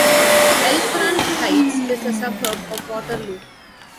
Elk Run Heights is a suburb of Waterloo.